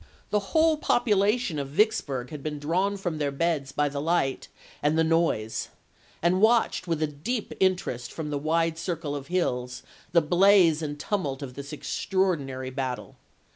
The whole population of Vicksburg had been drawn from their beds by the light and the noise, and watched with a deep interest, from the wide circle of hills, the blaze and tumult of this extraordinary battle.